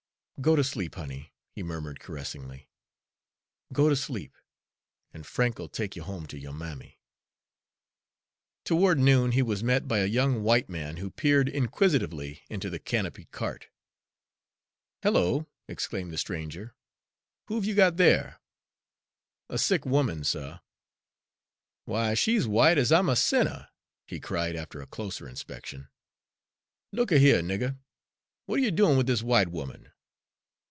"Go ter sleep, honey," he murmured caressingly, "go ter sleep, an' Frank'll take you home ter yo' mammy!" Toward noon he was met by a young white man, who peered inquisitively into the canopied cart. "Hello!" exclaimed the stranger, "who've you got there?" "A sick woman, suh." "Why, she's white, as I'm a sinner!" he cried, after a closer inspection. "Look a here, nigger, what are you doin' with this white woman?"